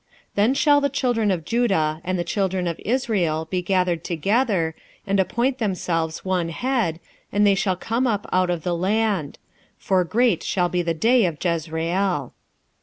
1:11 Then shall the children of Judah and the children of Israel be gathered together, and appoint themselves one head, and they shall come up out of the land: for great shall be the day of Jezreel.